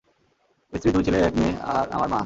স্ত্রী, দুই ছেলে, এক মেয়ে আর আমার মা।